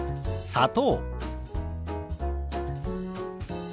「砂糖」。